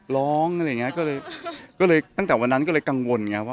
ร้องอะไรอย่างนี้ก็เลยตั้งแต่วันนั้นก็เลยกังวล